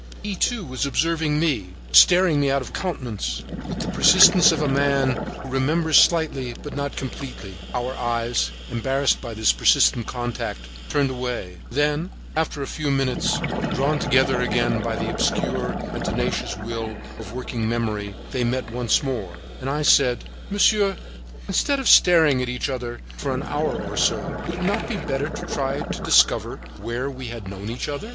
He, too, was observing me, staring me out of countenance, with the persistence of a man who remembers slightly but not completely. Our eyes, embarrassed by this persistent contact, turned away; then, after a few minutes, drawn together again by the obscure and tenacious will of working memory, they met once more, and I said: "Monsieur, instead of staring at each other for an hour or so, would it not be better to try to discover where we have known each other?"